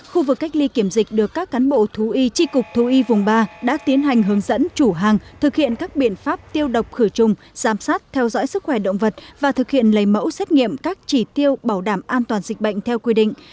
khu vực cách ly kiểm dịch được các cán bộ thú y tri cục thú y vùng ba đã tiến hành hướng dẫn chủ hàng thực hiện các biện pháp tiêu độc khử trùng giám sát theo dõi sức khỏe động vật và thực hiện lấy mẫu xét nghiệm các chỉ tiêu bảo đảm an toàn dịch bệnh theo quy định